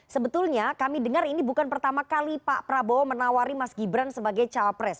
sebetulnya kami dengar ini bukan pertama kali pak prabowo menawari mas gibran sebagai cawapres